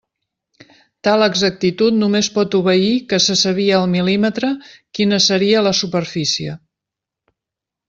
Tal exactitud només pot obeir que se sabia al mil·límetre quina seria la superfície.